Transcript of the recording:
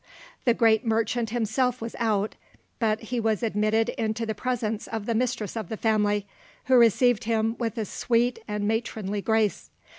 The great merchant himself was out; but he was admitted into the presence of the mistress of the family, who received him with a sweet and matronly grace.